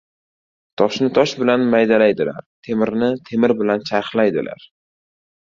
• Toshni tosh bilan maydalaydilar, temirni temir bilan charxlaydilar.